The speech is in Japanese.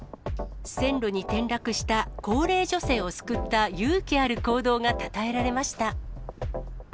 線路に転落した高齢女性を救った勇気ある行動がたたえられました。